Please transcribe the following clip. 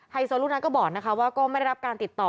โซลูกนั้นก็บอกนะคะว่าก็ไม่ได้รับการติดต่อ